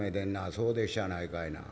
そうでっしゃないかいな。